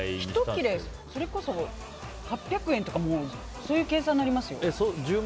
１切れ、それこそ８００円とかそういう計算になりますよ。